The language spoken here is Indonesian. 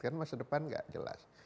kan masa depan gak jelas